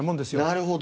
なるほど。